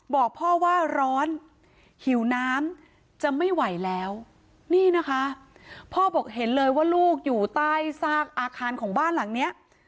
บอกพ่อว่าร้อนหิวน้ำจะไม่ไหวแล้วนี่นะคะพ่อบอกเห็นเลยว่าลูกอยู่ใต้ซากอาคารของบ้านหลังเนี้ย